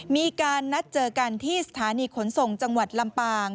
มีการนัดเจอกันที่สถานีขนส่งจังหวัดลำปาง